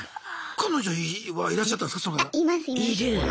彼女はいらっしゃったんですかその。